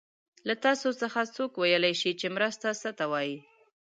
له تاسو څخه څوک ویلای شي چې مرسته څه ته وايي؟